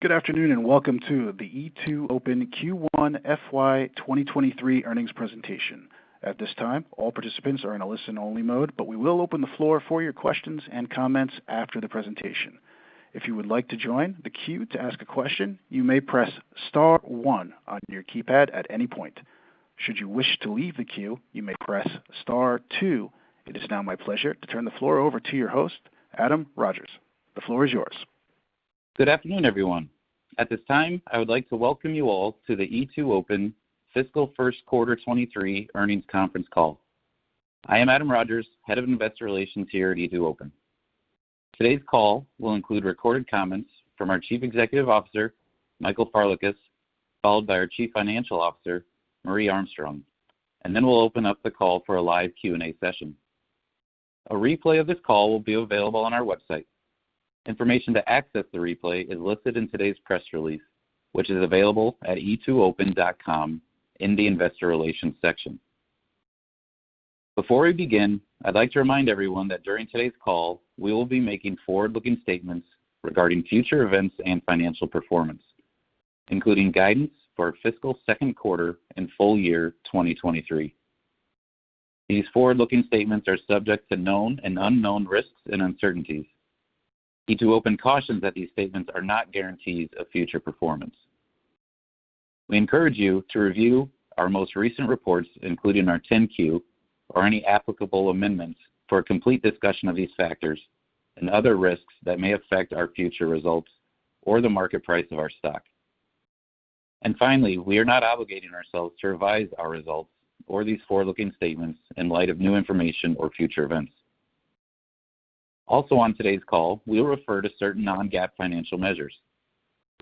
Good afternoon, and welcome to the E2open Q1 FY 2023 Earnings Presentation. At this time, all participants are in a listen-only mode, but we will open the floor for your questions and comments after the presentation. If you would like to join the queue to ask a question, you may press star one on your keypad at any point. Should you wish to leave the queue, you may press star two. It is now my pleasure to turn the floor over to your host, Adam Rogers. The floor is yours. Good afternoon, everyone. At this time, I would like to welcome you all to the E2open Fiscal First Quarter 2023 Earnings Conference Call. I am Adam Rogers, Head of Investor Relations here at E2open. Today's call will include recorded comments from our Chief Executive Officer, Michael Farlekas, followed by our Chief Financial Officer, Marje Armstrong, and then we'll open up the call for a live Q&A session. A replay of this call will be available on our website. Information to access the replay is listed in today's press release, which is available at e2open.com in the investor relations section. Before we begin, I'd like to remind everyone that during today's call, we will be making forward-looking statements regarding future events and financial performance, including guidance for fiscal second quarter and full year 2023. These forward-looking statements are subject to known and unknown risks and uncertainties. E2open cautions that these statements are not guarantees of future performance. We encourage you to review our most recent reports, including our 10-Q or any applicable amendments, for a complete discussion of these factors and other risks that may affect our future results or the market price of our stock. Finally, we are not obligating ourselves to revise our results or these forward-looking statements in light of new information or future events. Also on today's call, we will refer to certain non-GAAP financial measures.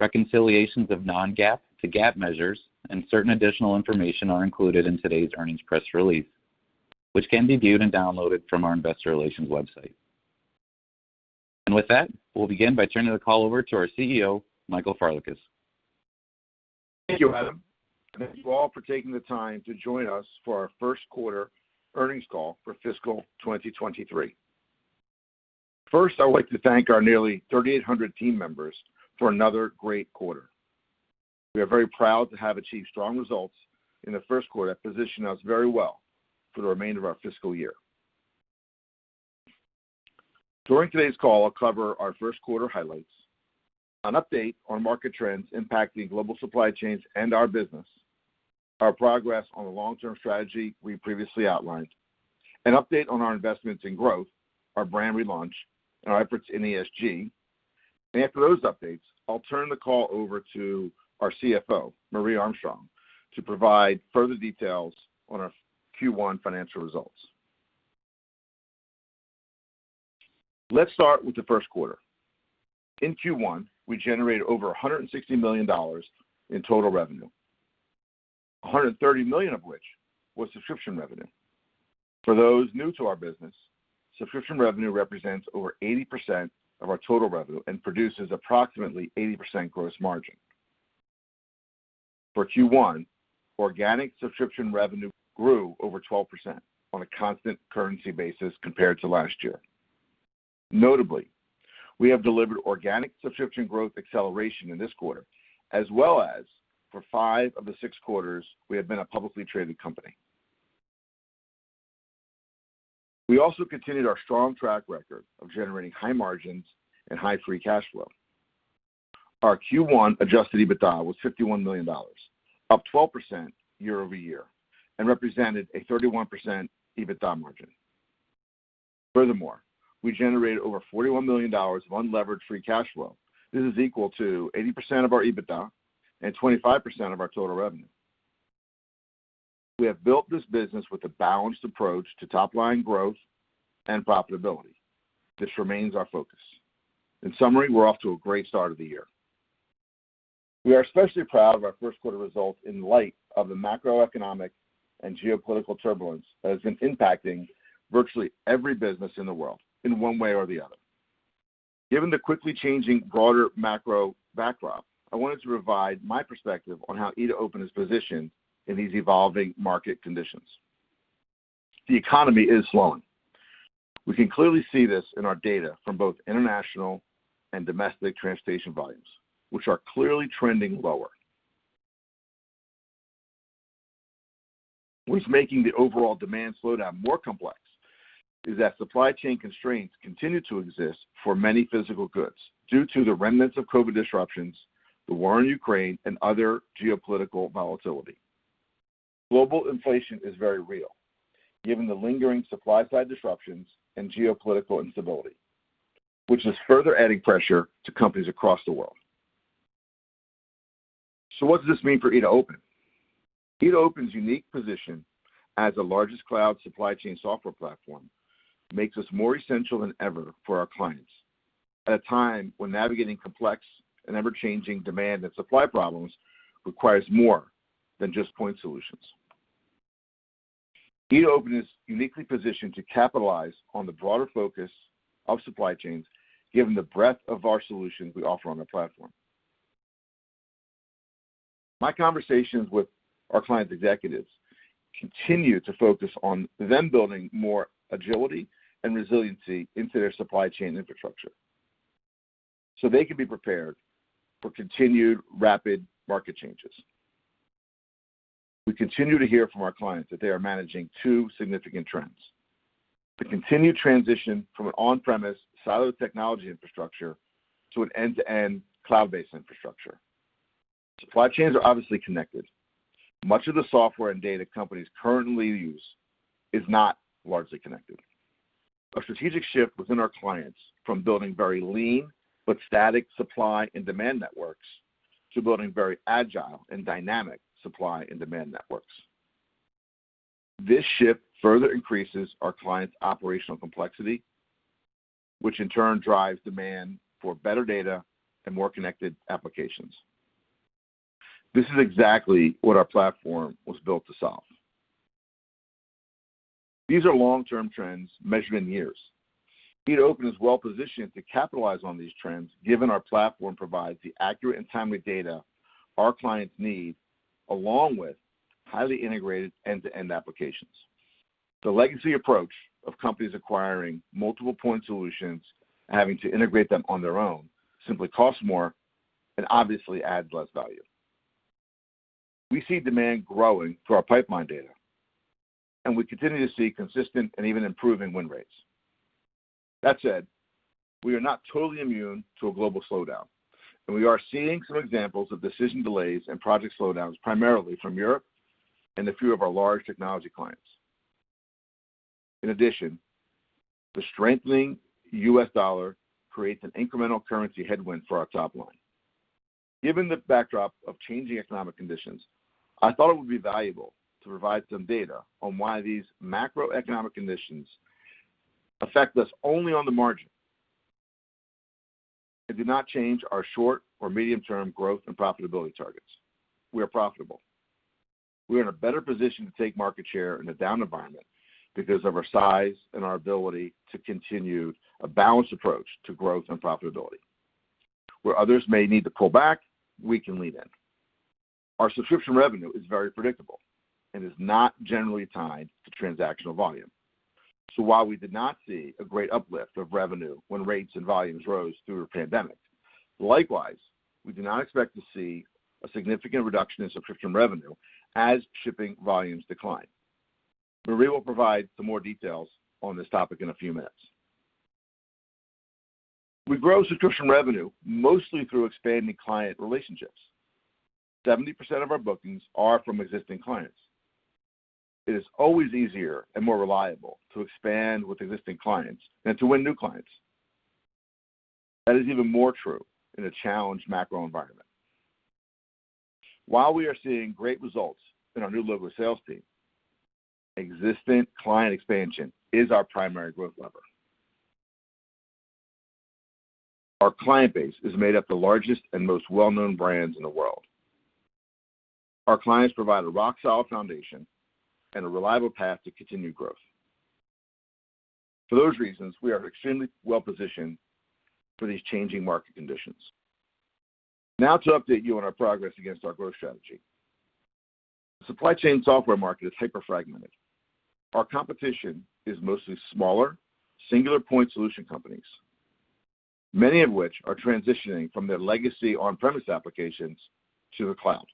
Reconciliations of non-GAAP to GAAP measures and certain additional information are included in today's earnings press release, which can be viewed and downloaded from our investor relations website. With that, we'll begin by turning the call over to our CEO, Michael Farlekas. Thank you, Adam. Thank you all for taking the time to join us for our First Quarter Earnings Call for Fiscal 2023. First, I'd like to thank our nearly 3,800 team members for another great quarter. We are very proud to have achieved strong results in the first quarter that position us very well for the remainder of our fiscal year. During today's call, I'll cover our first quarter highlights, an update on market trends impacting global supply chains and our business, our progress on the long-term strategy we previously outlined, an update on our investments in growth, our brand relaunch, and our efforts in ESG. After those updates, I'll turn the call over to our CFO, Marje Armstrong, to provide further details on our Q1 financial results. Let's start with the first quarter. In Q1, we generated over $160 million in total revenue, $130 million of which was subscription revenue. For those new to our business, subscription revenue represents over 80% of our total revenue and produces approximately 80% gross margin. For Q1, organic subscription revenue grew over 12% on a constant currency basis compared to last year. Notably, we have delivered organic subscription revenue growth acceleration in this quarter as well as for five of the six quarters we have been a publicly traded company. We also continued our strong track record of generating high margins and high free cash flow. Our Q1 adjusted EBITDA was $51 million, up 12% year-over-year, and represented a 31% EBITDA margin. Furthermore, we generated over $41 million of unlevered free cash flow. This is equal to 80% of our EBITDA and 25% of our total revenue. We have built this business with a balanced approach to top-line growth and profitability. This remains our focus. In summary, we're off to a great start of the year. We are especially proud of our first quarter results in light of the macroeconomic and geopolitical turbulence that has been impacting virtually every business in the world in one way or the other. Given the quickly changing broader macro backdrop, I wanted to provide my perspective on how E2open is positioned in these evolving market conditions. The economy is slowing. We can clearly see this in our data from both international and domestic transportation volumes, which are clearly trending lower. What's making the overall demand slowdown more complex is that supply chain constraints continue to exist for many physical goods due to the remnants of COVID disruptions, the war in Ukraine, and other geopolitical volatility. Global inflation is very real, given the lingering supply-side disruptions and geopolitical instability, which is further adding pressure to companies across the world. What does this mean for E2open? E2open's unique position as the largest cloud supply chain software platform makes us more essential than ever for our clients at a time when navigating complex and ever-changing demand and supply problems requires more than just point solutions. E2open is uniquely positioned to capitalize on the broader focus of supply chains, given the breadth of our solutions we offer on the platform. My conversations with our client executives continue to focus on them building more agility and resiliency into their supply chain infrastructure, so they can be prepared for continued rapid market changes. We continue to hear from our clients that they are managing two significant trends. The continued transition from an on-premise siloed technology infrastructure to an end-to-end cloud-based infrastructure. Supply chains are obviously connected. Much of the software and data companies currently use is not largely connected. A strategic shift within our clients from building very lean but static supply and demand networks to building very agile and dynamic supply and demand networks. This shift further increases our clients' operational complexity, which in turn drives demand for better data and more connected applications. This is exactly what our platform was built to solve. These are long-term trends measured in years. E2open is well-positioned to capitalize on these trends, given our platform provides the accurate and timely data our clients need, along with highly integrated end-to-end applications. The legacy approach of companies acquiring multiple point solutions and having to integrate them on their own simply costs more and obviously adds less value. We see demand growing for our pipeline data, and we continue to see consistent and even improving win rates. That said, we are not totally immune to a global slowdown, and we are seeing some examples of decision delays and project slowdowns, primarily from Europe and a few of our large technology clients. In addition, the strengthening U.S. dollar creates an incremental currency headwind for our top line. Given the backdrop of changing economic conditions, I thought it would be valuable to provide some data on why these macroeconomic conditions affect us only on the margin and do not change our short or medium-term growth and profitability targets. We are profitable. We are in a better position to take market share in a down environment because of our size and our ability to continue a balanced approach to growth and profitability. Where others may need to pull back, we can lean in. Our subscription revenue is very predictable and is not generally tied to transactional volume. While we did not see a great uplift of revenue when rates and volumes rose through the pandemic, likewise, we do not expect to see a significant reduction in subscription revenue as shipping volumes decline. Marje will provide some more details on this topic in a few minutes. We grow subscription revenue mostly through expanding client relationships. 70% of our bookings are from existing clients. It is always easier and more reliable to expand with existing clients than to win new clients. That is even more true in a challenged macro environment. While we are seeing great results in our new logo sales team, existing client expansion is our primary growth lever. Our client base is made up of the largest and most well-known brands in the world. Our clients provide a rock-solid foundation and a reliable path to continued growth. For those reasons, we are extremely well-positioned for these changing market conditions. Now to update you on our progress against our growth strategy. The supply chain software market is hyper fragmented. Our competition is mostly smaller, singular point solution companies, many of which are transitioning from their legacy on-premise applications to the cloud.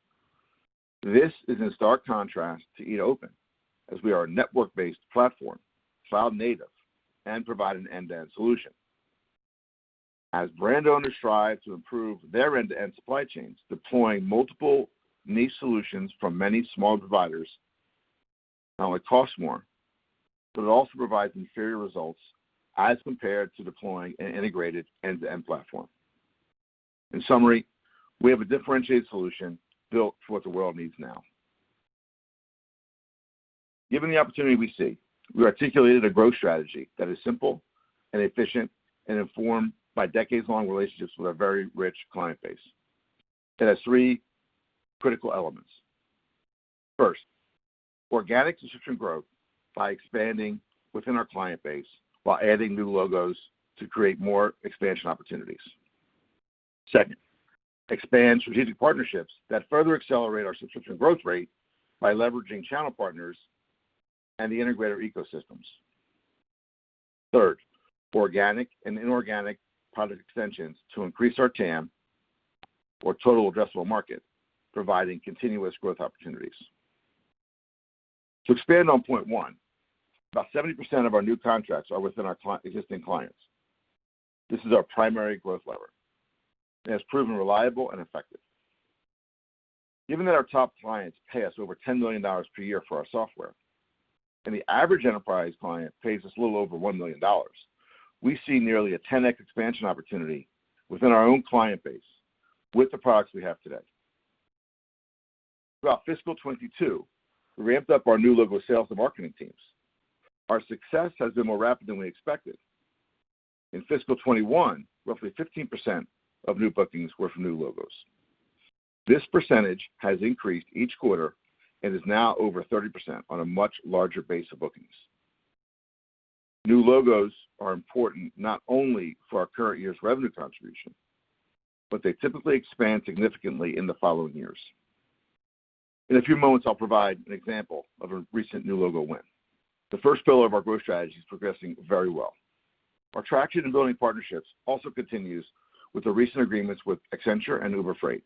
This is in stark contrast to E2open, as we are a network-based platform, cloud native, and provide an end-to-end solution. As brand owners strive to improve their end-to-end supply chains, deploying multiple niche solutions from many small providers not only costs more, but it also provides inferior results as compared to deploying an integrated end-to-end platform. In summary, we have a differentiated solution built for what the world needs now. Given the opportunity we see, we articulated a growth strategy that is simple and efficient and informed by decades-long relationships with a very rich client base. It has three critical elements. First, organic subscription growth by expanding within our client base while adding new logos to create more expansion opportunities. Second, expand strategic partnerships that further accelerate our subscription growth rate by leveraging channel partners and the integrator ecosystems. Third, organic and inorganic product extensions to increase our TAM or total addressable market, providing continuous growth opportunities. To expand on point one, about 70% of our new contracts are within our existing clients. This is our primary growth lever, and it's proven reliable and effective. Given that our top clients pay us over $10 million per year for our software, and the average enterprise client pays us a little over $1 million, we see nearly a 10x expansion opportunity within our own client base with the products we have today. Throughout fiscal 2022, we ramped up our new logo sales and marketing teams. Our success has been more rapid than we expected. In fiscal 2021, roughly 15% of new bookings were from new logos. This percentage has increased each quarter and is now over 30% on a much larger base of bookings. New logos are important not only for our current year's revenue contribution, but they typically expand significantly in the following years. In a few moments, I'll provide an example of a recent new logo win. The first pillar of our growth strategy is progressing very well. Our traction in building partnerships also continues with the recent agreements with Accenture and Uber Freight.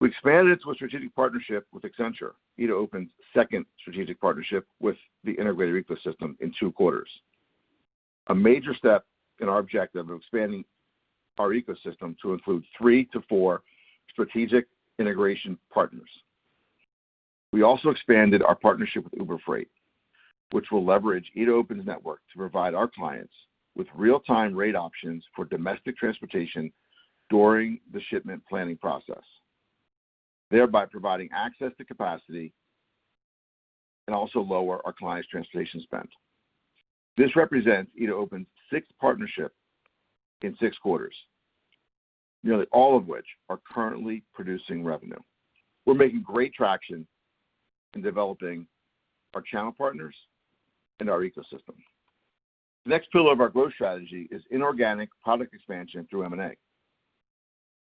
We expanded into a strategic partnership with Accenture. E2open's second strategic partnership with the integrated ecosystem in two quarters. A major step in our objective of expanding our ecosystem to include three to four strategic integration partners. We also expanded our partnership with Uber Freight, which will leverage E2open's network to provide our clients with real-time rate options for domestic transportation during the shipment planning process, thereby providing access to capacity and also lower our clients' transportation spend. This represents E2open's sixth partnership in six quarters, nearly all of which are currently producing revenue. We're making great traction in developing our channel partners and our ecosystem. The next pillar of our growth strategy is inorganic product expansion through M&A.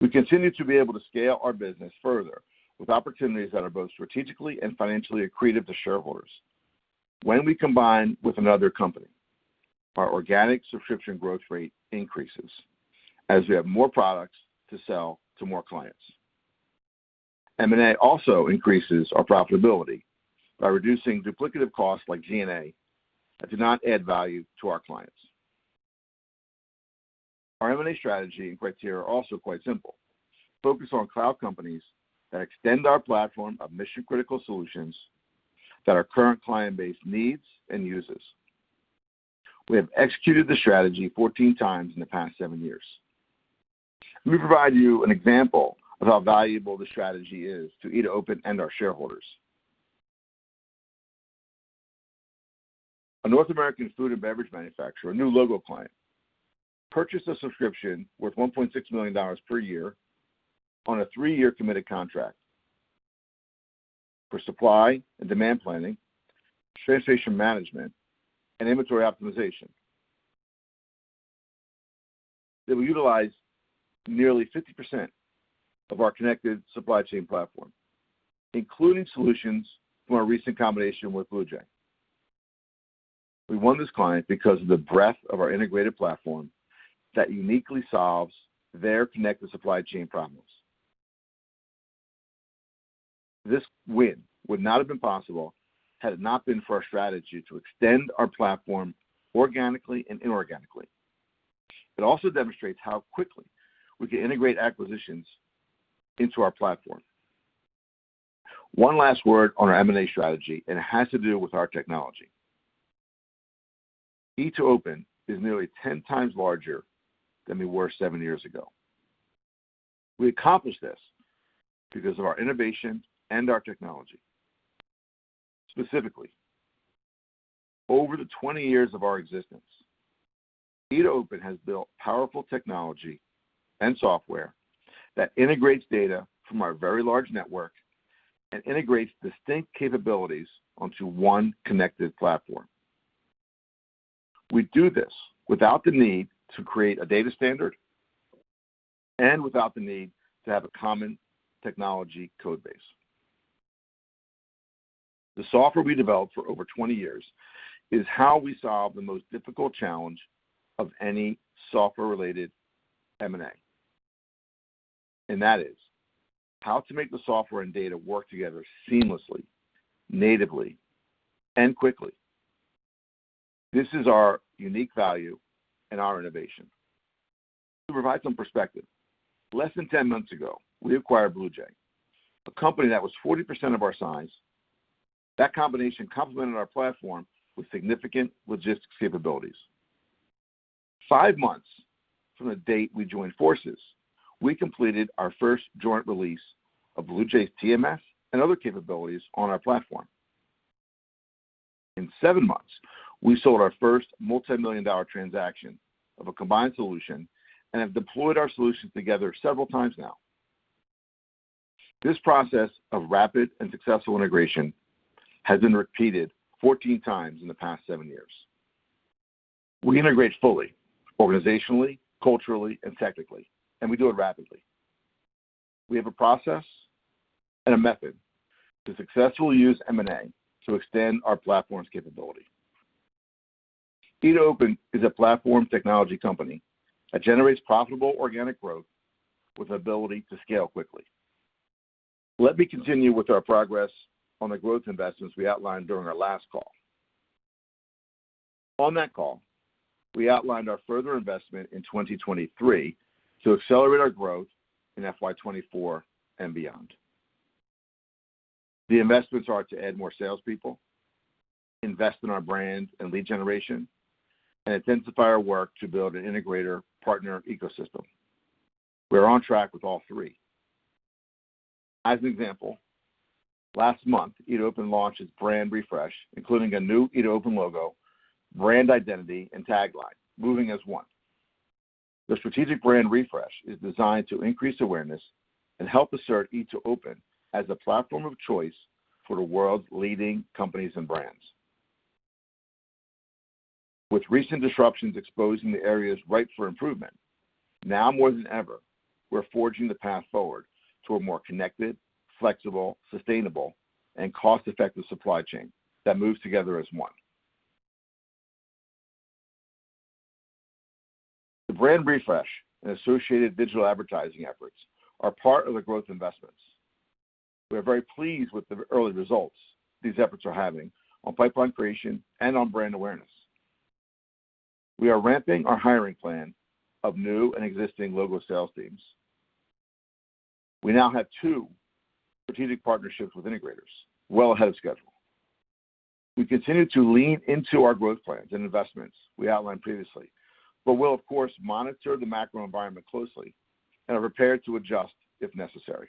We continue to be able to scale our business further with opportunities that are both strategically and financially accretive to shareholders. When we combine with another company, our organic subscription growth rate increases as we have more products to sell to more clients. M&A also increases our profitability by reducing duplicative costs like G&A that do not add value to our clients. Our M&A strategy and criteria are also quite simple. Focus on cloud companies that extend our platform of mission-critical solutions that our current client base needs and uses. We have executed the strategy 14 times in the past seven years. Let me provide you an example of how valuable the strategy is to E2open and our shareholders. A North American food and beverage manufacturer, a new logo client, purchased a subscription worth $1.6 million per year on a three-year committed contract for supply and demand planning, transportation management, and inventory optimization. They will utilize nearly 50% of our connected supply chain platform, including solutions from our recent combination with BluJay. We won this client because of the breadth of our integrated platform that uniquely solves their connected supply chain problems. This win would not have been possible had it not been for our strategy to extend our platform organically and inorganically. It also demonstrates how quickly we can integrate acquisitions into our platform. One last word on our M&A strategy, and it has to do with our technology. E2open is nearly 10 times larger than we were seven years ago. We accomplished this because of our innovation and our technology. Specifically, over the 20 years of our existence, E2open has built powerful technology and software that integrates data from our very large network and integrates distinct capabilities onto one connected platform. We do this without the need to create a data standard and without the need to have a common technology code base. The software we developed for over 20 years is how we solve the most difficult challenge of any software-related M&A, and that is how to make the software and data work together seamlessly, natively, and quickly. This is our unique value and our innovation. To provide some perspective, less than 10 months ago, we acquired BluJay, a company that was 40% of our size. That combination complemented our platform with significant Logistyx capabilities. Five months from the date we joined forces, we completed our first joint release of BluJay's TMS and other capabilities on our platform. In seven months, we sold our first multi-million dollar transaction of a combined solution and have deployed our solutions together several times now. This process of rapid and successful integration has been repeated 14 times in the past seven years. We integrate fully organizationally, culturally, and technically, and we do it rapidly. We have a process and a method to successfully use M&A to extend our platform's capability. E2open is a platform technology company that generates profitable organic growth with ability to scale quickly. Let me continue with our progress on the growth investments we outlined during our last call. On that call, we outlined our further investment in 2023 to accelerate our growth in FY 2024 and beyond. The investments are to add more salespeople, invest in our brand and lead generation, and intensify our work to build an integrator partner ecosystem. We are on track with all three. As an example, last month, E2open launched its brand refresh, including a new E2open logo, brand identity, and tagline, "Moving as One." The strategic brand refresh is designed to increase awareness and help assert E2open as a platform of choice for the world's leading companies and brands. With recent disruptions exposing the areas ripe for improvement, now more than ever, we're forging the path forward to a more connected, flexible, sustainable, and cost-effective supply chain that moves together as one. The brand refresh and associated digital advertising efforts are part of the growth investments. We are very pleased with the early results these efforts are having on pipeline creation and on brand awareness. We are ramping our hiring plan of new and existing local sales teams. We now have two strategic partnerships with integrators, well ahead of schedule. We continue to lean into our growth plans and investments we outlined previously, but we'll of course monitor the macro environment closely and are prepared to adjust if necessary.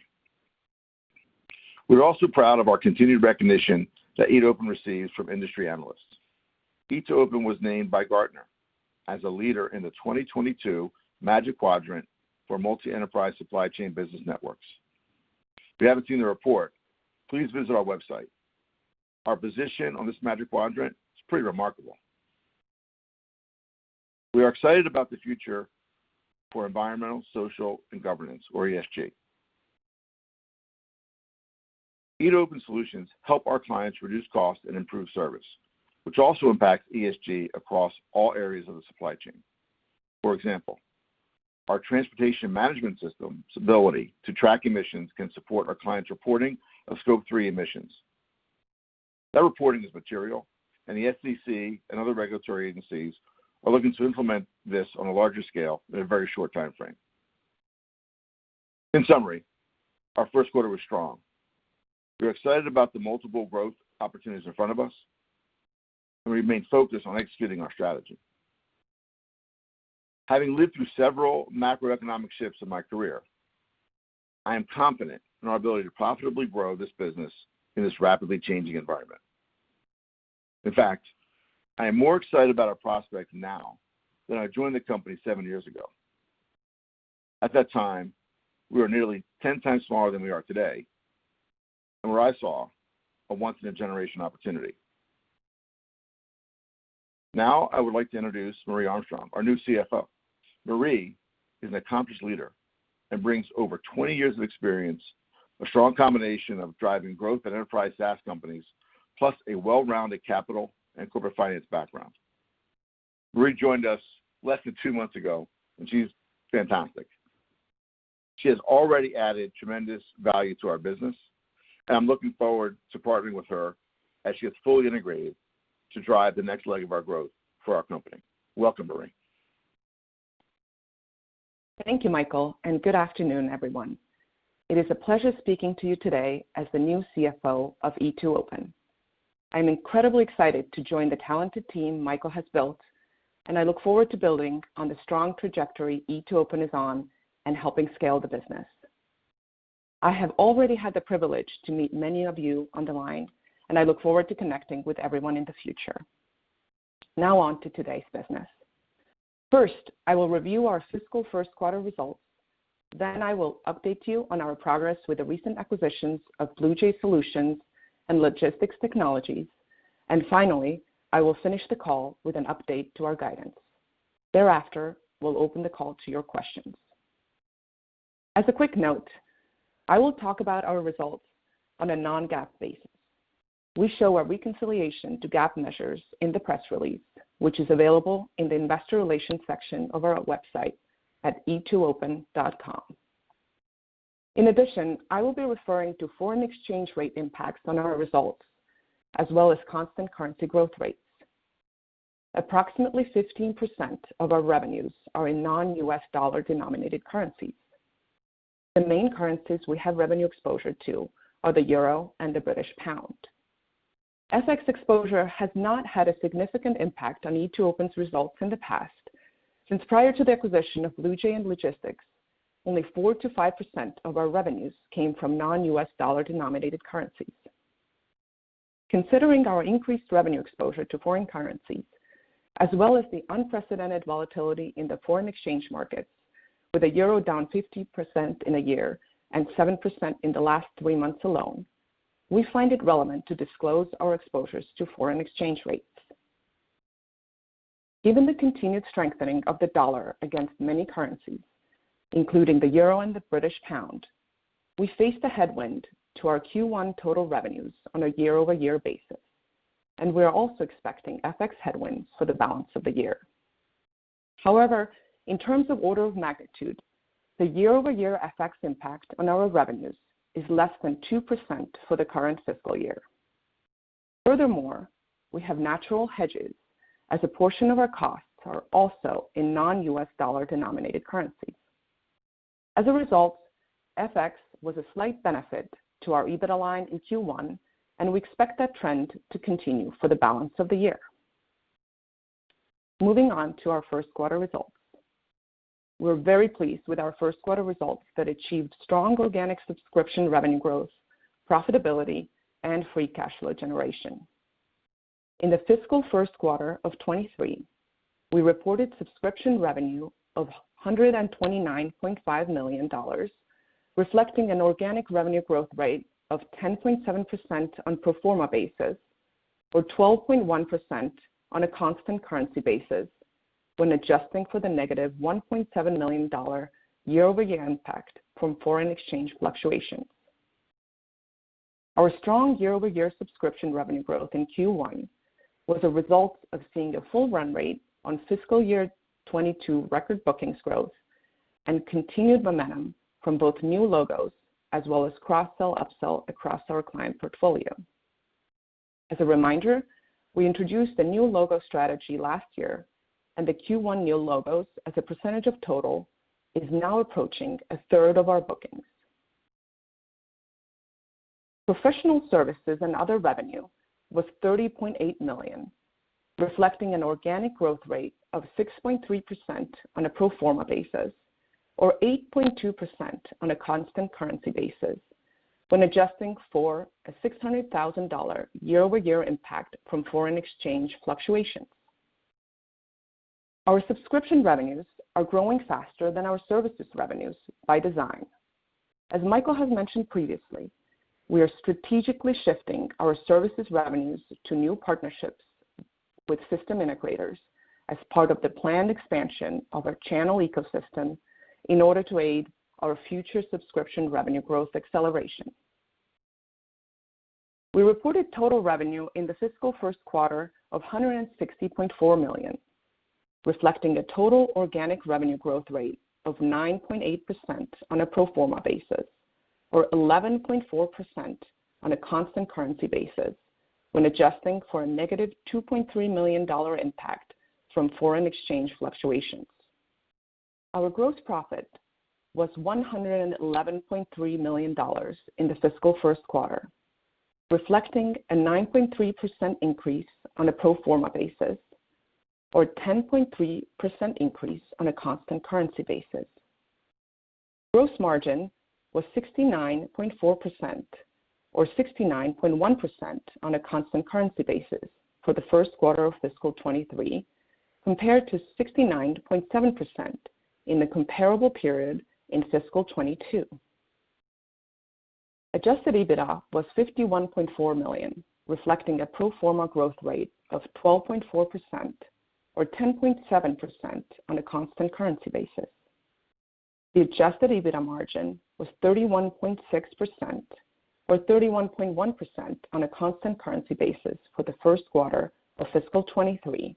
We're also proud of our continued recognition that E2open receives from industry analysts. E2open was named by Gartner as a leader in the 2022 Magic Quadrant for multi-enterprise supply chain business networks. If you haven't seen the report, please visit our website. Our position on this Magic Quadrant is pretty remarkable. We are excited about the future for environmental, social, and governance or ESG. E2open solutions help our clients reduce costs and improve service, which also impacts ESG across all areas of the supply chain. For example, our transportation management system's ability to track emissions can support our clients' reporting of Scope 3 emissions. That reporting is material, and the SEC and other regulatory agencies are looking to implement this on a larger scale in a very short timeframe. In summary, our first quarter was strong. We're excited about the multiple growth opportunities in front of us, and we remain focused on executing our strategy. Having lived through several macroeconomic shifts in my career, I am confident in our ability to profitably grow this business in this rapidly changing environment. In fact, I am more excited about our prospects now than when I joined the company seven years ago. At that time, we were nearly 10 times smaller than we are today, and where I saw a once-in-a-generation opportunity. Now, I would like to introduce Marje Armstrong, our new CFO. Marje is an accomplished leader and brings over 20 years of experience, a strong combination of driving growth at enterprise SaaS companies, plus a well-rounded capital and corporate finance background. Marje joined us less than two months ago, and she's fantastic. She has already added tremendous value to our business, and I'm looking forward to partnering with her as she gets fully integrated to drive the next leg of our growth for our company. Welcome, Marje. Thank you, Michael, and good afternoon, everyone. It is a pleasure speaking to you today as the new CFO of E2open. I'm incredibly excited to join the talented team Michael has built, and I look forward to building on the strong trajectory E2open is on and helping scale the business. I have already had the privilege to meet many of you on the line, and I look forward to connecting with everyone in the future. Now on to today's business. First, I will review our fiscal first quarter results. Then I will update you on our progress with the recent acquisitions of BluJay Solutions and Logistyx Technologies. Finally, I will finish the call with an update to our guidance. Thereafter, we'll open the call to your questions. As a quick note, I will talk about our results on a non-GAAP basis. We show our reconciliation to GAAP measures in the press release, which is available in the investor relations section of our website at E2open.com. In addition, I will be referring to foreign exchange rate impacts on our results, as well as constant currency growth rates. Approximately 15% of our revenues are in non-U.S. dollar-denominated currencies. The main currencies we have revenue exposure to are the euro and the British pound. FX exposure has not had a significant impact on E2open's results in the past, since prior to the acquisition of BluJay and Logistyx, only 4%-5% of our revenues came from non-U.S. dollar-denominated currencies. Considering our increased revenue exposure to foreign currencies, as well as the unprecedented volatility in the foreign exchange markets with the euro down 50% in a year and 7% in the last three months alone, we find it relevant to disclose our exposures to foreign exchange rates. Given the continued strengthening of the dollar against many currencies, including the euro and the British pound, we face the headwind to our Q1 total revenues on a year-over-year basis, and we are also expecting FX headwinds for the balance of the year. However, in terms of order of magnitude, the year-over-year FX impact on our revenues is less than 2% for the current fiscal year. Furthermore, we have natural hedges as a portion of our costs are also in non-U.S. dollar-denominated currencies. As a result, FX was a slight benefit to our EBITDA in Q1, and we expect that trend to continue for the balance of the year. Moving on to our first quarter results. We're very pleased with our first quarter results that achieved strong organic subscription revenue growth, profitability, and free cash flow generation. In the fiscal first quarter of 2023, we reported subscription revenue of $129.5 million, reflecting an organic revenue growth rate of 10.7% on pro forma basis, or 12.1% on a constant currency basis when adjusting for the negative $1.7 million year-over-year impact from foreign exchange fluctuations. Our strong year-over-year subscription revenue growth in Q1 was a result of seeing a full run rate on fiscal year 2022 record bookings growth and continued momentum from both new logos as well as cross-sell/upsell across our client portfolio. As a reminder, we introduced a new logo strategy last year, and the Q1 new logos as a percentage of total is now approaching a third of our bookings. Professional Services and Other Revenue was $30.8 million, reflecting an organic growth rate of 6.3% on a pro forma basis, or 8.2% on a constant currency basis when adjusting for a $600,000 year-over-year impact from foreign exchange fluctuations. Our Subscriptionrevenues are growing faster than our services revenues by design. As Michael has mentioned previously, we are strategically shifting our services revenues to new partnerships with system integrators as part of the planned expansion of our channel ecosystem in order to aid our future subscription revenue growth acceleration. We reported total revenue in the fiscal first quarter of $160.4 million, reflecting a total organic revenue growth rate of 9.8% on a pro forma basis, or 11.4% on a constant currency basis when adjusting for a negative $2.3 million impact from foreign exchange fluctuations. Our gross profit was $111.3 million in the fiscal first quarter, reflecting a 9.3% increase on a pro forma basis, or 10.3% increase on a constant currency basis. Gross margin was 69.4% or 69.1% on a constant currency basis for the first quarter of fiscal 2023, compared to 69.7% in the comparable period in fiscal 2022. Adjusted EBITDA was $51.4 million, reflecting a pro forma growth rate of 12.4% or 10.7% on a constant currency basis. The adjusted EBITDA margin was 31.6% or 31.1% on a constant currency basis for the first quarter of fiscal 2023,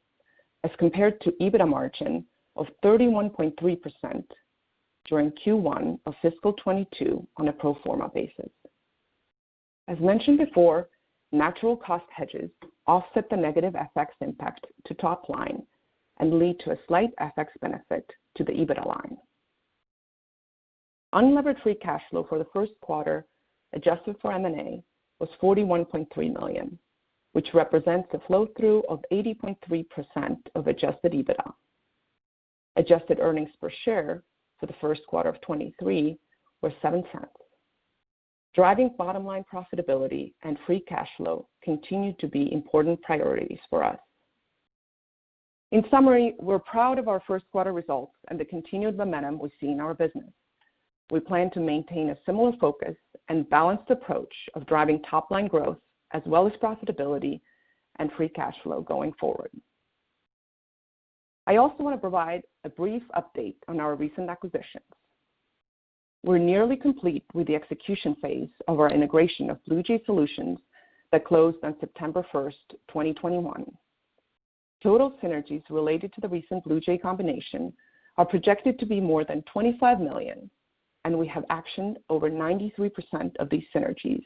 as compared to EBITDA margin of 31.3% during Q1 of fiscal 2022 on a pro forma basis. As mentioned before, natural cost hedges offset the negative FX impact to top line and lead to a slight FX benefit to the EBITDA line. Unlevered free cash flow for the first quarter, adjusted for M&A, was $41.3 million, which represents a flow-through of 80.3% of adjusted EBITDA. Adjusted earnings per share for the first quarter of 2023 were $0.07. Driving bottom line profitability and free cash flow continue to be important priorities for us. In summary, we're proud of our first quarter results and the continued momentum we see in our business. We plan to maintain a similar focus and balanced approach of driving top-line growth as well as profitability and free cash flow going forward. I also want to provide a brief update on our recent acquisitions. We're nearly complete with the execution phase of our integration of BluJay Solutions that closed on September 1st, 2021. Total synergies related to the recent BluJay combination are projected to be more than $25 million, and we have actioned over 93% of these synergies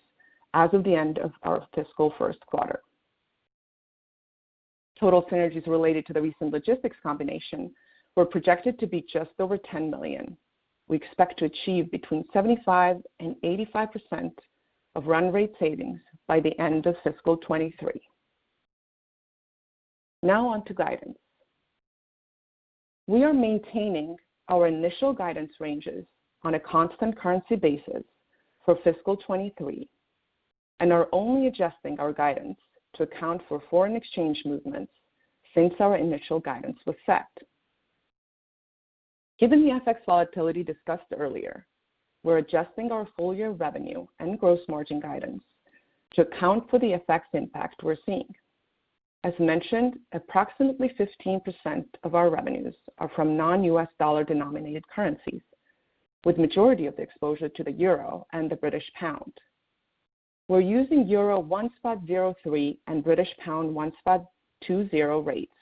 as of the end of our fiscal first quarter. Total synergies related to the recent Logistyx combination were projected to be just over $10 million. We expect to achieve between 75% and 85% of run rate savings by the end of fiscal 2023. Now on to guidance. We are maintaining our initial guidance ranges on a constant currency basis for fiscal 2023 and are only adjusting our guidance to account for foreign exchange movements since our initial guidance was set. Given the FX volatility discussed earlier, we're adjusting our full year revenue and gross margin guidance to account for the FX impact we're seeing. As mentioned, approximately 15% of our revenues are from non-U.S. dollar-denominated currencies, with majority of the exposure to the euro and the British pound. We're using 1.03 and 1.20 rates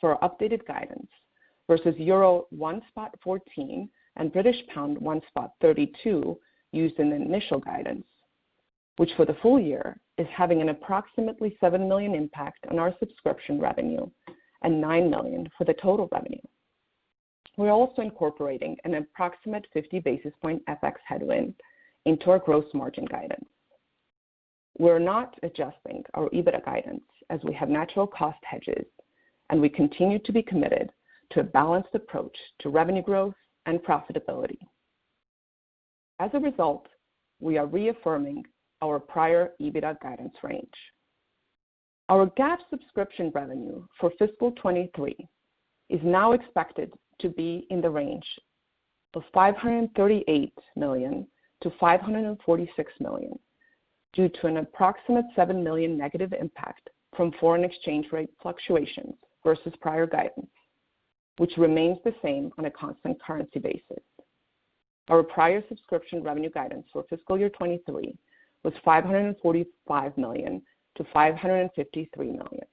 for updated guidance versus euro 1.14 and British pound 1.32 used in the initial guidance, which for the full year is having an approximately $7 million impact on our subscription revenue and $9 million for the total revenue. We're also incorporating an approximate 50 basis points FX headwind into our gross margin guidance. We're not adjusting our EBITDA guidance as we have natural cost hedges, and we continue to be committed to a balanced approach to revenue growth and profitability. As a result, we are reaffirming our prior EBITDA guidance range. Our GAAP subscription revenue for fiscal 2023 is now expected to be in the range of $538 million-$546 million due to an approximate $7 million negative impact from foreign exchange rate fluctuations versus prior guidance, which remains the same on a constant currency basis. Our prior subscription revenue guidance for fiscal year 2023 was $545 million-$553 million.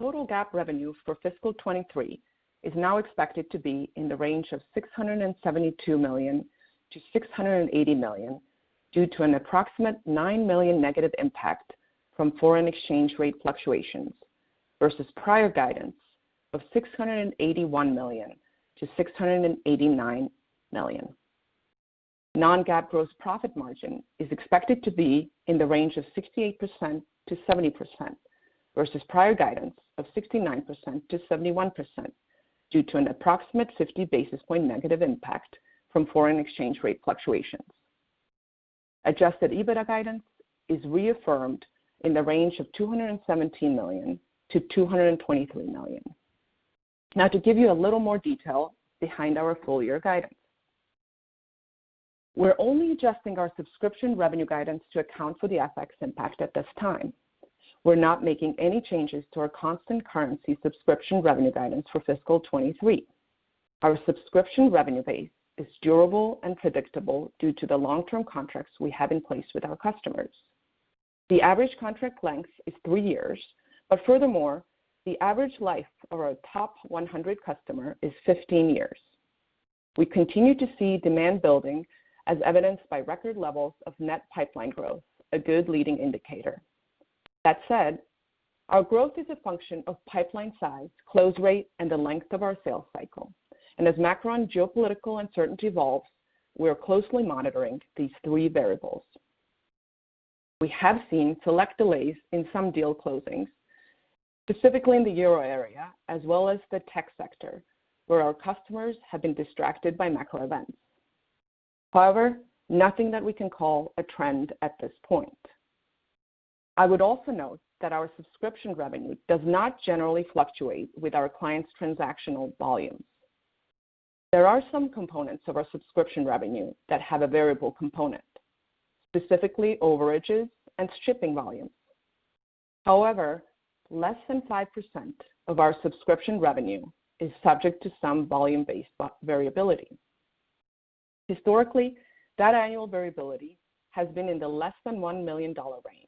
Total GAAP revenue for fiscal 2023 is now expected to be in the range of $672 million-$680 million due to an approximate $9 million negative impact from foreign exchange rate fluctuations versus prior guidance of $681 million-$689 million. Non-GAAP gross profit margin is expected to be in the range of 68%-70% versus prior guidance of 69%-71% due to an approximate 50 basis points negative impact from foreign exchange rate fluctuations. Adjusted EBITDA guidance is reaffirmed in the range of $217 million-$223 million. Now, to give you a little more detail behind our full year guidance. We're only adjusting our subscription revenue guidance to account for the FX impact at this time. We're not making any changes to our constant currency subscription revenue guidance for fiscal 2023. Our subscription revenue base is durable and predictable due to the long-term contracts we have in place with our customers. The average contract length is three years, but furthermore, the average life of our top 100 customers is 15 years. We continue to see demand building as evidenced by record levels of net pipeline growth, a good leading indicator. That said, our growth is a function of pipeline size, close rate, and the length of our sales cycle. As macro and geopolitical uncertainty evolves, we are closely monitoring these three variables. We have seen select delays in some deal closings, specifically in the euro area as well as the tech sector, where our customers have been distracted by macro events. However, nothing that we can call a trend at this point. I would also note that our subscription revenue does not generally fluctuate with our clients' transactional volumes. There are some components of our subscription revenue that have a variable component, specifically overages and shipping volumes. However, less than 5% of our subscription revenue is subject to some volume-based variability. Historically, that annual variability has been in the less than $1 million range.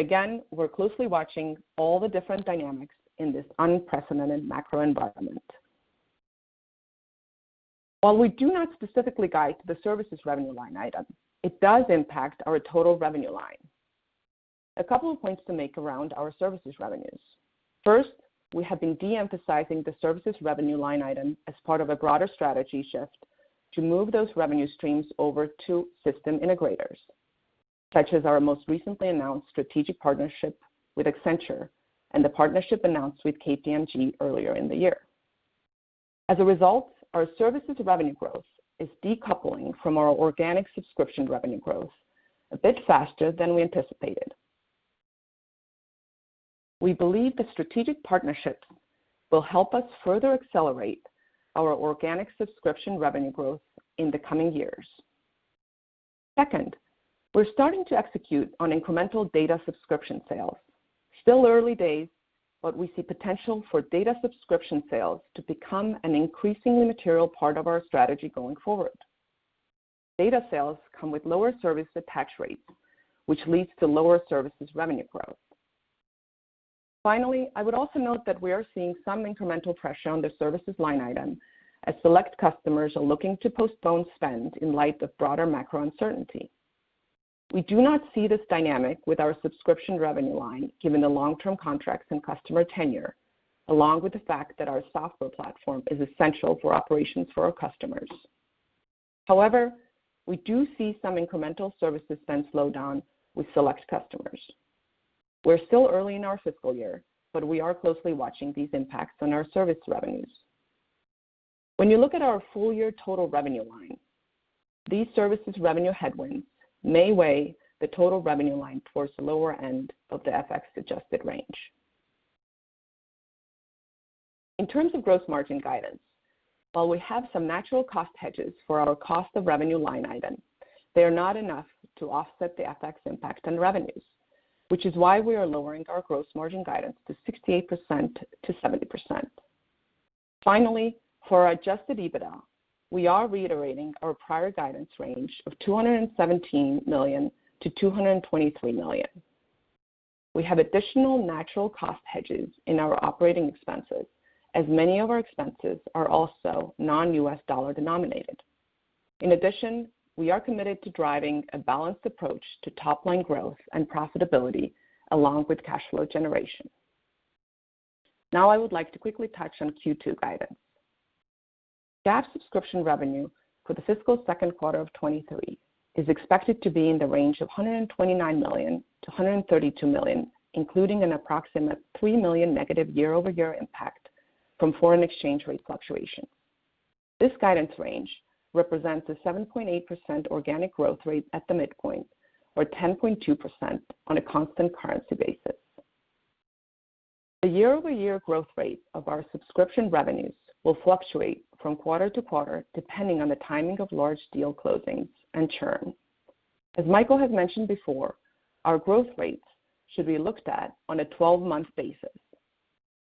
Again, we're closely watching all the different dynamics in this unprecedented macro environment. While we do not specifically guide the services revenue line item, it does impact our total revenue line. A couple of points to make around our services revenues. First, we have been de-emphasizing the services revenue line item as part of a broader strategy shift to move those revenue streams over to system integrators, such as our most recently announced strategic partnership with Accenture and the partnership announced with KPMG earlier in the year. As a result, our services revenue growth is decoupling from our organic subscription revenue growth a bit faster than we anticipated. We believe the strategic partnerships will help us further accelerate our organic subscription revenue growth in the coming years. Second, we're starting to execute on incremental data subscription sales. Still early days, but we see potential for data subscription sales to become an increasingly material part of our strategy going forward. Data sales come with lower service attach rates, which leads to lower services revenue growth. Finally, I would also note that we are seeing some incremental pressure on the services line item as select customers are looking to postpone spend in light of broader macro uncertainty. We do not see this dynamic with our subscription revenue line, given the long term contracts and customer tenure, along with the fact that our software platform is essential for operations for our customers. However, we do see some incremental services spend slowdown with select customers. We're still early in our fiscal year, but we are closely watching these impacts on our service revenues. When you look at our full year total revenue line, these services revenue headwinds may weigh the total revenue line towards the lower end of the FX adjusted range. In terms of gross margin guidance, while we have some natural cost hedges for our cost of revenue line item, they are not enough to offset the FX impact on revenues, which is why we are lowering our gross margin guidance to 68%-70%. Finally, for adjusted EBITDA, we are reiterating our prior guidance range of $217 million-$223 million. We have additional natural cost hedges in our operating expenses, as many of our expenses are also non-U.S. dollar denominated. In addition, we are committed to driving a balanced approach to top line growth and profitability along with cash flow generation. Now, I would like to quickly touch on Q2 guidance. GAAP subscription revenue for the fiscal second quarter of 2023 is expected to be in the range of $129 million-$132 million, including an approximate $3 million negative year-over-year impact from foreign exchange rate fluctuation. This guidance range represents a 7.8% organic growth rate at the midpoint, or 10.2% on a constant currency basis. The year-over-year growth rate of our subscription revenues will fluctuate from quarter to quarter, depending on the timing of large deal closings and churn. As Michael has mentioned before, our growth rates should be looked at on a 12-month basis.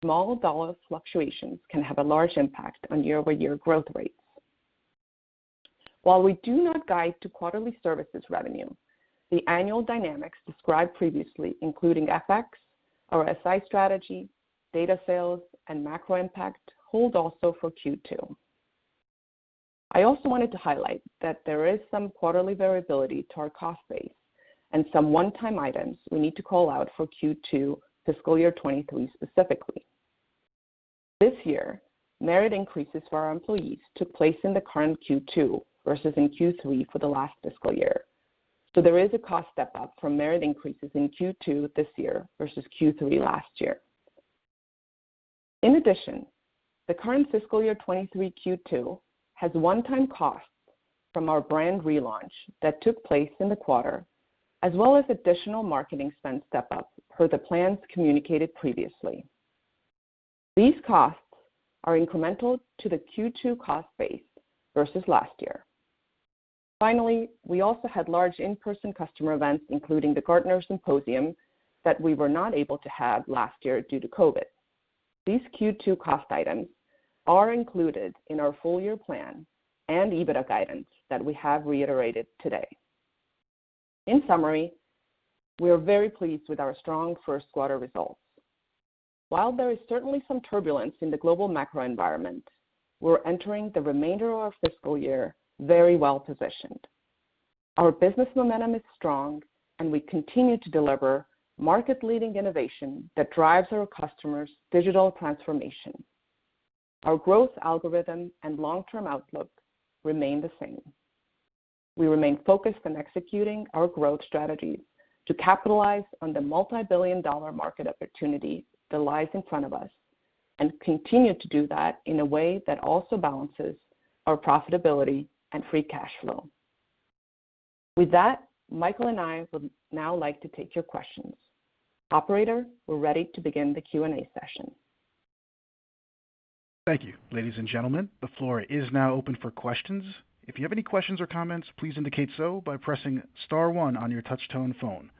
Small dollar fluctuations can have a large impact on year-over-year growth rates. While we do not guide to quarterly services revenue, the annual dynamics described previously, including FX, our SI strategy, data sales, and macro impact, hold also for Q2. I also wanted to highlight that there is some quarterly variability to our cost base and some one-time items we need to call out for Q2 fiscal year 2023 specifically. This year, merit increases for our employees took place in the current Q2 versus in Q3 for the last fiscal year. There is a cost step-up from merit increases in Q2 this year versus Q3 last year. In addition, the current fiscal year 2023 Q2 has one-time costs from our brand relaunch that took place in the quarter, as well as additional marketing spend step-up per the plans communicated previously. These costs are incremental to the Q2 cost base versus last year. Finally, we also had large in-person customer events, including the Gartner Symposium, that we were not able to have last year due to COVID. These Q2 cost items are included in our full year plan and EBITDA guidance that we have reiterated today. In summary, we are very pleased with our strong first quarter results. While there is certainly some turbulence in the global macro environment, we're entering the remainder of our fiscal year very well-positioned. Our business momentum is strong, and we continue to deliver market-leading innovation that drives our customers' digital transformation. Our growth algorithm and long-term outlook remain the same. We remain focused on executing our growth strategy to capitalize on the multibillion-dollar market opportunity that lies in front of us and continue to do that in a way that also balances our profitability and free cash flow. With that, Michael and I would now like to take your questions. Operator, we're ready to begin the Q&A session. Thank you. Ladies and gentlemen, the floor is now open for questions. If you have any questions or comments, please indicate so by pressing star one on your touch-tone phone.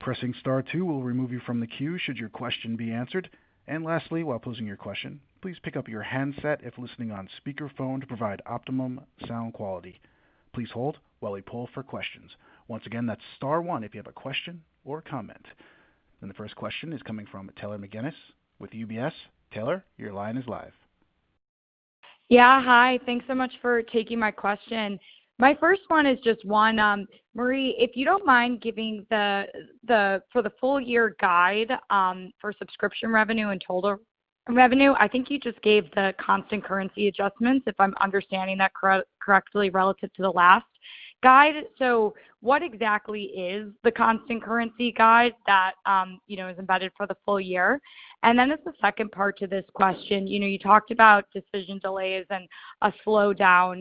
Pressing star two will remove you from the queue should your question be answered. Lastly, while posing your question, please pick up your handset if listening on speakerphone to provide optimum sound quality. Please hold while we poll for questions. Once again, that's star one if you have a question or comment. The first question is coming from Taylor McGinnis with UBS. Taylor, your line is live. Yeah, hi. Thanks so much for taking my question. My first one is just one, Marje, if you don't mind giving the for the full year guide for subscription revenue and total revenue. I think you just gave the constant currency adjustments, if I'm understanding that correctly relative to the last guide. What exactly is the constant currency guide that you know is embedded for the full year? Then as the second part to this question, you know, you talked about decision delays and a slowdown,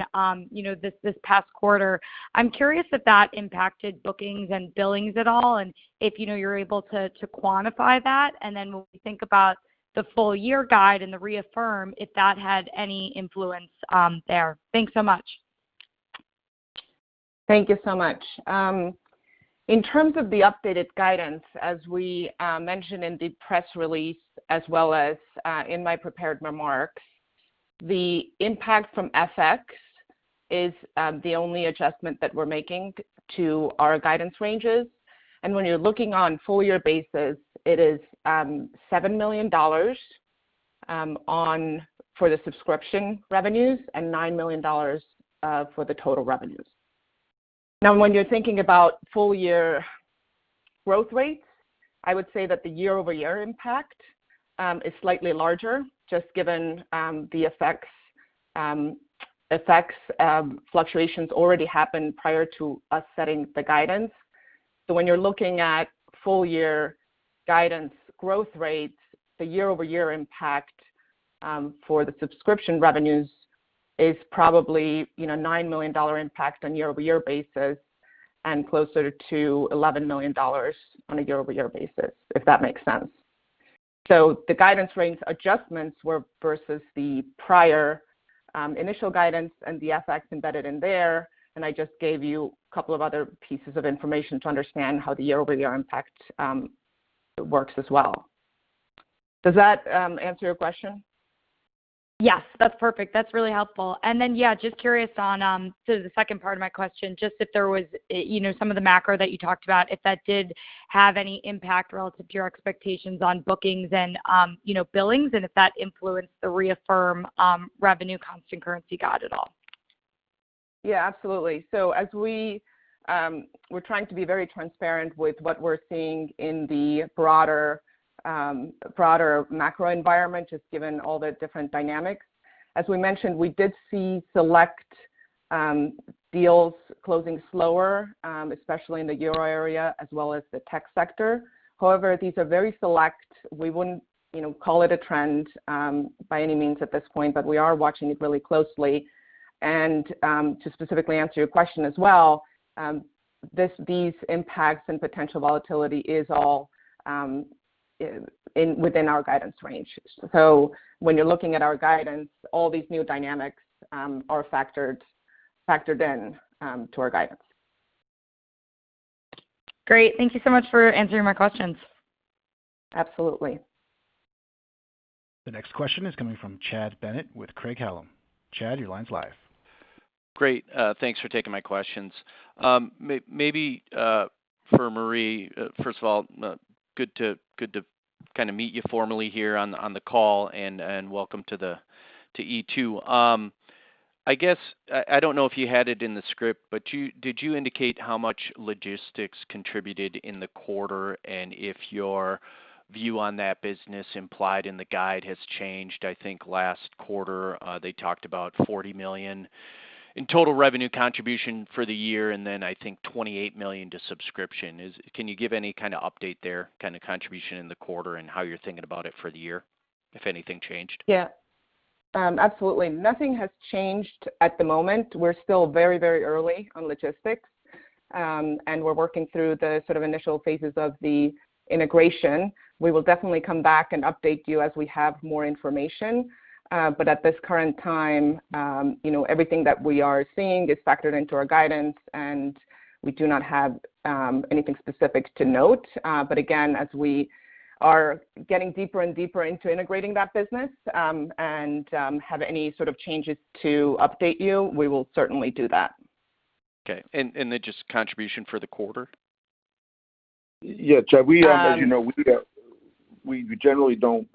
you know, this past quarter. I'm curious if that impacted bookings and billings at all, and if you know you're able to quantify that. Then when we think about the full year guide and the reaffirm, if that had any influence there. Thanks so much. Thank you so much. In terms of the updated guidance, as we mentioned in the press release as well as in my prepared remarks, the impact from FX is the only adjustment that we're making to our guidance ranges. When you're looking on full-year basis, it is $7 million for the subscription revenues and $9 million for the total revenues. Now, when you're thinking about full-year growth rates, I would say that the year-over-year impact is slightly larger, just given the effects of fluctuations already happened prior to us setting the guidance. When you're looking at full year guidance growth rates, the year-over-year impact for the subscription revenues is probably, you know, $9 million impact on year-over-year basis and closer to $11 million on a year-over-year basis, if that makes sense. The guidance range adjustments were versus the prior initial guidance and the effects embedded in there, and I just gave you a couple of other pieces of information to understand how the year-over-year impact works as well. Does that answer your question? Yes. That's perfect. That's really helpful. Yeah, just curious on, so the second part of my question, just if there was, you know, some of the macro that you talked about, if that did have any impact relative to your expectations on bookings and, you know, billings, and if that influenced the reaffirm, revenue constant currency guide at all. Yeah, absolutely. As we're trying to be very transparent with what we're seeing in the broader macro environment, just given all the different dynamics. As we mentioned, we did see select deals closing slower, especially in the euro area as well as the tech sector. However, these are very select. We wouldn't, you know, call it a trend by any means at this point, but we are watching it really closely. To specifically answer your question as well, these impacts and potential volatility is all within our guidance range. When you're looking at our guidance, all these new dynamics are factored in to our guidance. Great. Thank you so much for answering my questions. Absolutely. The next question is coming from Chad Bennett with Craig-Hallum. Chad, your line's live. Great. Thanks for taking my questions. Maybe for Marje, first of all, good to kinda meet you formally here on the call and welcome to E2. I guess I don't know if you had it in the script, but did you indicate how much logistics contributed in the quarter, and if your view on that business implied in the guide has changed? I think last quarter they talked about $40 million in total revenue contribution for the year, and then I think $28 million to subscription. Can you give any kinda update there, kinda contribution in the quarter and how you're thinking about it for the year, if anything changed? Yeah. Absolutely. Nothing has changed at the moment. We're still very, very early on logistics, and we're working through the sort of initial phases of the integration. We will definitely come back and update you as we have more information. But at this current time, you know, everything that we are seeing is factored into our guidance, and we do not have anything specific to note. But again, as we are getting deeper and deeper into integrating that business, and have any sort of changes to update you, we will certainly do that. Okay. Then just contribution for the quarter? Yeah, Chad. Um- As you know, we generally don't,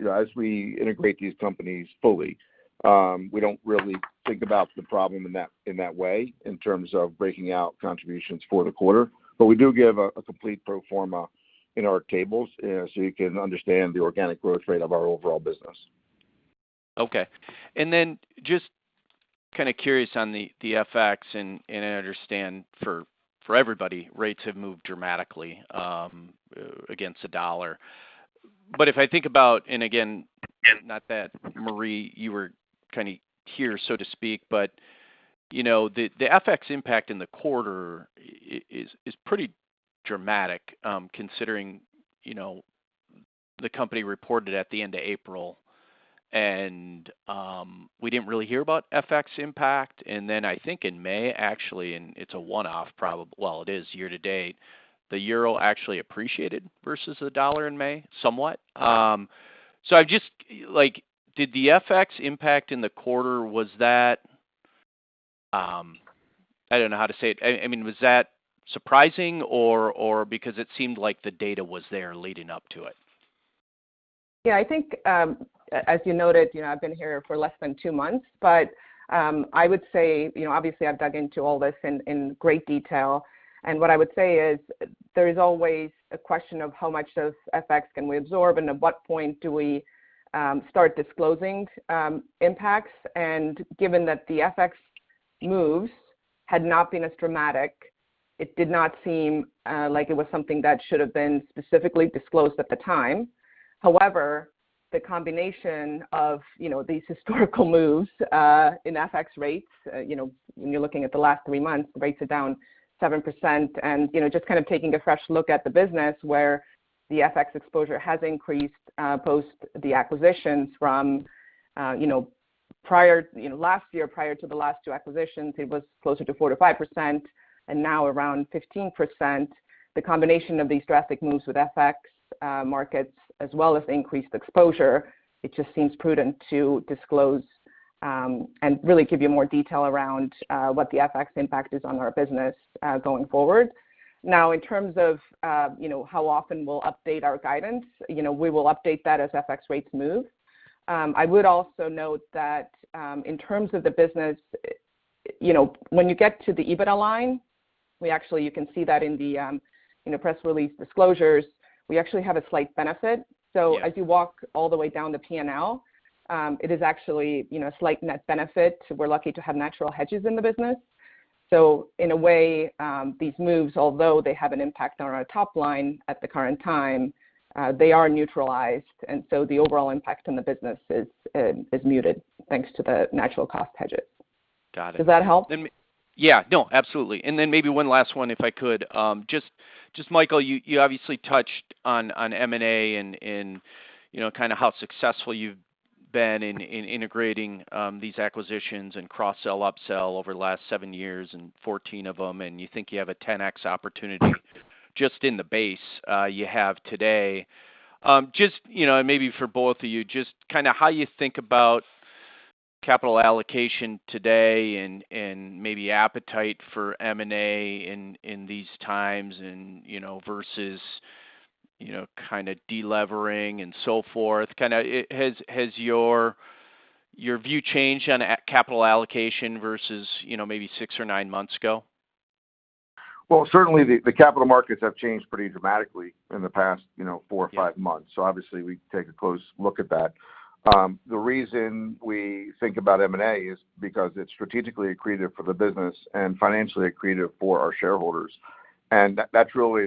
you know, as we integrate these companies fully, we don't really think about the problem in that way in terms of breaking out contributions for the quarter. We do give a complete pro forma in our tables, so you can understand the organic growth rate of our overall business. Okay. Just kinda curious on the FX, and I understand for everybody, rates have moved dramatically against the dollar. If I think about, and again, not that Marje, you were kinda here, so to speak, but you know, the FX impact in the quarter is pretty dramatic, considering you know, the company reported at the end of April, and we didn't really hear about FX impact. I think in May, actually, and it's a one-off, well, it is year-to-date, the euro actually appreciated versus the dollar in May somewhat. I've just like, did the FX impact in the quarter, was that, I don't know how to say it. I mean, was that surprising or because it seemed like the data was there leading up to it? Yeah, I think, as you noted, you know, I've been here for less than two months, but, I would say, you know, obviously, I've dug into all this in great detail. What I would say is there is always a question of how much of FX can we absorb and at what point do we start disclosing impacts. Given that the FX moves had not been as dramatic, it did not seem like it was something that should have been specifically disclosed at the time. However, the combination of, you know, these historical moves in FX rates, you know, when you're looking at the last three months, rates are down 7%. You know, just kind of taking a fresh look at the business where the FX exposure has increased, post the acquisitions from, you know, prior, you know, last year, prior to the last two acquisitions, it was closer to 4%-5%, and now around 15%. The combination of these drastic moves with FX markets as well as increased exposure, it just seems prudent to disclose, and really give you more detail around, what the FX impact is on our business, going forward. Now, in terms of, you know, how often we'll update our guidance, you know, we will update that as FX rates move. I would also note that, in terms of the business, you know, when you get to the EBITDA line, you can see that in the, you know, press release disclosures, we actually have a slight benefit. Yeah. As you walk all the way down the P&L, it is actually, you know, a slight net benefit. We're lucky to have natural hedges in the business. In a way, these moves, although they have an impact on our top line at the current time, they are neutralized, and so the overall impact on the business is muted, thanks to the natural cost hedges. Got it. Does that help? Yeah. No, absolutely. Maybe one last one, if I could. Just Michael, you obviously touched on M&A and, you know, kinda how successful you've been in integrating these acquisitions and cross-sell, upsell over the last seven years and 14 of them, and you think you have a 10x opportunity just in the base you have today. Just, you know, maybe for both of you, just kinda how you think about capital allocation today and maybe appetite for M&A in these times and, you know, versus, you know, kinda de-levering and so forth. Has your view changed on capital allocation versus, you know, maybe six or nine months ago? Well, certainly the capital markets have changed pretty dramatically in the past, you know, four or five months. Obviously we take a close look at that. The reason we think about M&A is because it's strategically accretive for the business and financially accretive for our shareholders. That's really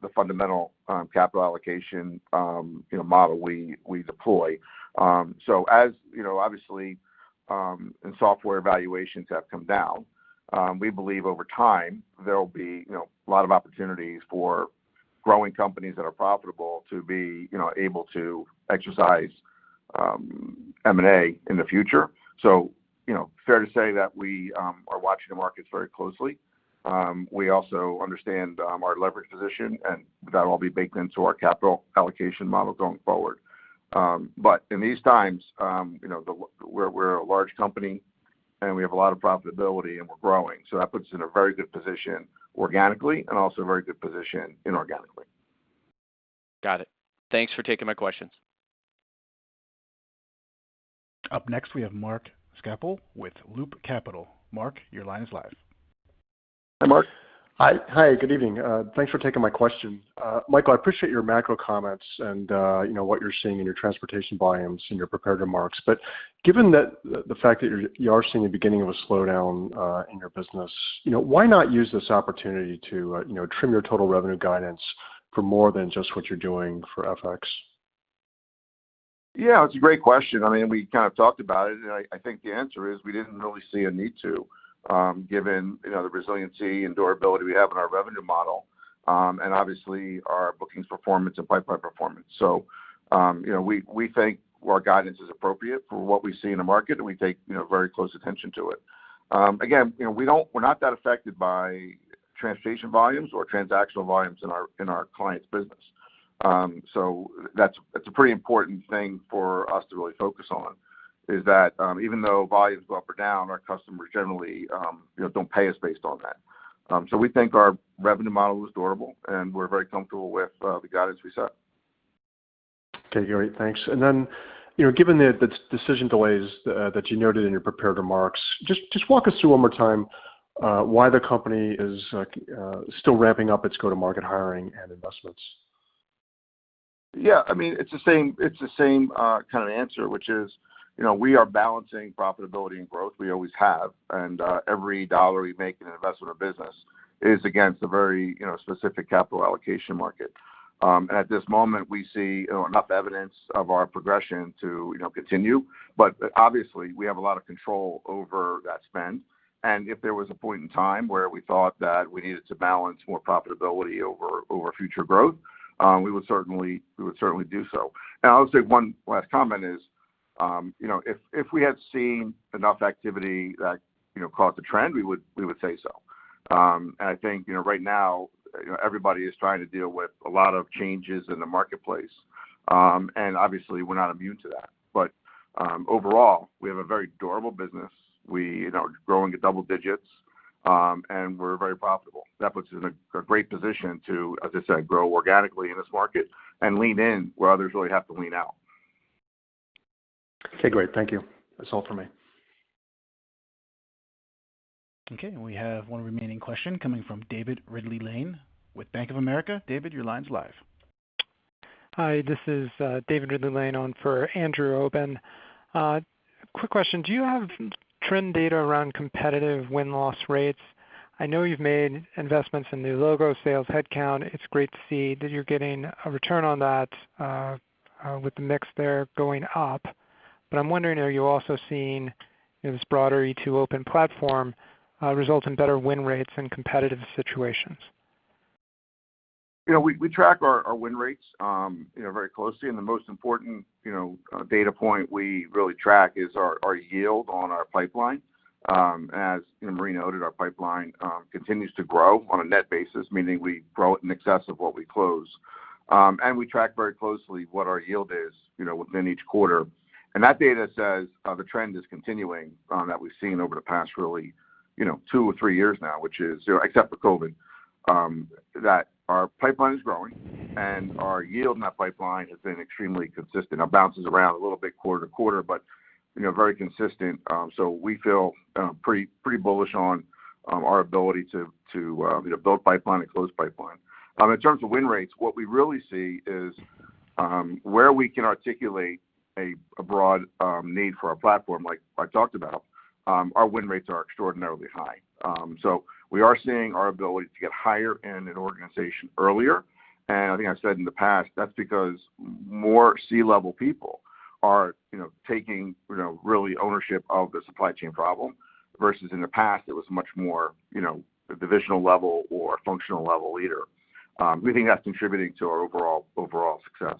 the fundamental capital allocation, you know, model we deploy. As you know, obviously, software valuations have come down. We believe over time there will be, you know, a lot of opportunities for growing companies that are profitable to be, you know, able to exercise M&A in the future. You know, fair to say that we are watching the markets very closely. We also understand our leverage position, and that'll all be baked into our capital allocation model going forward. In these times, you know, we're a large company, and we have a lot of profitability, and we're growing. That puts us in a very good position organically and also a very good position inorganically. Got it. Thanks for taking my questions. Up next, we have Mark Schappel with Loop Capital. Mark, your line is live. Hi, Mark. Hi. Good evening. Thanks for taking my question. Michael, I appreciate your macro comments and, you know, what you're seeing in your transportation volumes in your prepared remarks. Given that the fact that you're seeing the beginning of a slowdown in your business, you know, why not use this opportunity to, you know, trim your total revenue guidance for more than just what you're doing for FX? Yeah, it's a great question. I mean, we kind of talked about it. I think the answer is we didn't really see a need to, given, you know, the resiliency and durability we have in our revenue model, and obviously our bookings performance and pipeline performance. We think our guidance is appropriate for what we see in the market, and we take, you know, very close attention to it. Again, you know, we're not that affected by transportation volumes or transactional volumes in our clients' business. That's a pretty important thing for us to really focus on, is that, even though volumes go up or down, our customers generally, you know, don't pay us based on that. We think our revenue model is durable, and we're very comfortable with the guidance we set. Okay, great. Thanks. You know, given the decision delays that you noted in your prepared remarks, just walk us through one more time why the company is still ramping up its go-to-market hiring and investments. Yeah, I mean, it's the same kind of answer, which is, you know, we are balancing profitability and growth, we always have. Every dollar we make in an investment or business is against a very, you know, specific capital allocation market. At this moment, we see enough evidence of our progression to, you know, continue, but obviously we have a lot of control over that spend. If there was a point in time where we thought that we needed to balance more profitability over future growth, we would certainly do so. I would say one last comment is, you know, if we had seen enough activity that, you know, caused a trend, we would say so. I think, you know, right now, you know, everybody is trying to deal with a lot of changes in the marketplace. Obviously we're not immune to that. Overall, we have a very durable business. We, you know, are growing at double digits, and we're very profitable. That puts us in a great position to, as I said, grow organically in this market and lean in where others really have to lean out. Okay, great. Thank you. That's all for me. Okay, we have one remaining question coming from David Ridley-Lane with Bank of America. David, your line's live. Hi, this is David Ridley-Lane on for Andrew Obin. Quick question. Do you have trend data around competitive win-loss rates? I know you've made investments in new logo sales headcount. It's great to see that you're getting a return on that, with the mix there going up. I'm wondering, are you also seeing this broader E2open platform result in better win rates in competitive situations? You know, we track our win rates very closely, and the most important, you know, data point we really track is our yield on our pipeline. As Marje noted our pipeline continues to grow on a net basis, meaning we grow it in excess of what we close. We track very closely what our yield is, you know, within each quarter. That data says the trend is continuing that we've seen over the past really, you know, two or three years now, which is, you know, except for COVID, that our pipeline is growing and our yield in that pipeline has been extremely consistent. It bounces around a little bit quarter-to-quarter, but you know, very consistent. We feel pretty bullish on our ability to you know build pipeline and close pipeline. In terms of win rates, what we really see is where we can articulate a broad need for our platform, like I talked about, our win rates are extraordinarily high. We are seeing our ability to get higher in an organization earlier. I think I've said in the past, that's because more C-level people are you know taking you know really ownership of the supply chain problem versus in the past, it was much more you know the divisional level or functional level leader. We think that's contributing to our overall success.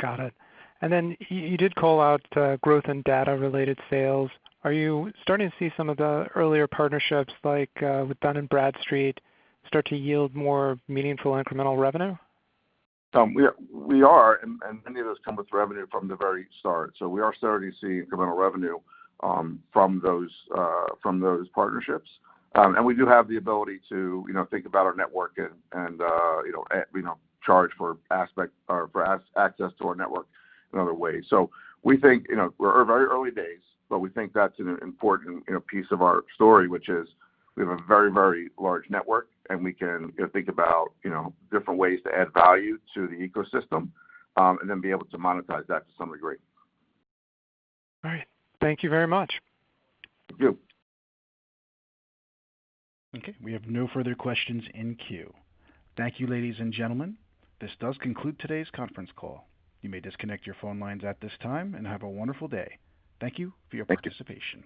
Got it. Then you did call out growth in data related sales. Are you starting to see some of the earlier partnerships like with Dun & Bradstreet start to yield more meaningful incremental revenue? Many of those come with revenue from the very start. We are starting to see incremental revenue from those partnerships. We do have the ability to, you know, think about our network and you know charge for access or for access to our network in other ways. We think, you know, we're very early days, but we think that's an important, you know, piece of our story, which is we have a very large network and we can, you know, think about, you know, different ways to add value to the ecosystem and then be able to monetize that to some degree. All right. Thank you very much. Thank you. Okay. We have no further questions in queue. Thank you, ladies and gentlemen. This does conclude today's conference call. You may disconnect your phone lines at this time and have a wonderful day. Thank you for your participation.